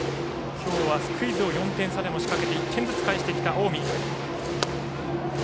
今日はスクイズを４点差で仕掛けて１点ずつ返してきた近江。